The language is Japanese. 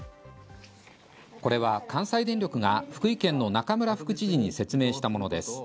これは関西電力が福井県の中村副知事に説明したものです。